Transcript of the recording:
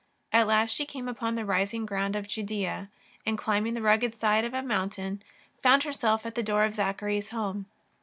At last she came upon the rising ground of Judea, and, climbing the rugged side of a mountain, found herself at the door of Zachary's home.